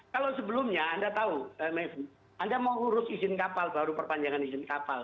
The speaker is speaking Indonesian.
kalau sebelumnya anda tahu mevri anda mau urus izin kapal baru perpanjangan izin kapal